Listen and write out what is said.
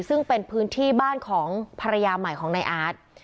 ซึ่งเป็นพื้นที่บ้านของภรรยาใหม่ของนายอาร์ต